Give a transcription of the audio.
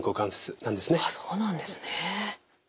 あそうなんですね。